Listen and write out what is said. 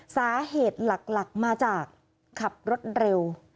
สาเหตุหลักมาจากขับรถเร็ว